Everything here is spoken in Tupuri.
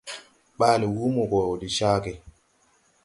Ɓaale Wúmo gɔ de caage.